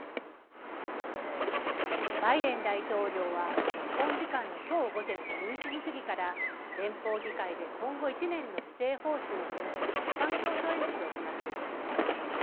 バイデン大統領は日本時間のきょう午前１１時過ぎから連邦議会で今後１年の施政方針を示す一般教書演説を行っています。